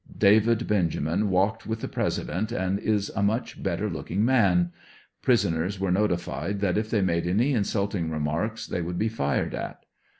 David Benjamin walked with the President and is a mucli better looking man. Prisoners were notified that if they made any insulting remarks they would be fired at.